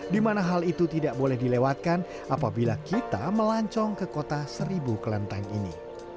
dimana hal itu tidak boleh dilewatkan apabila kita melancong ke kota seribu kelentang ini